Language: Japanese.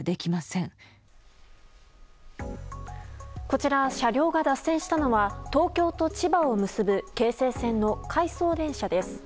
こちら、車両が脱線したのは東京と千葉を結ぶ京成線の回送電車です。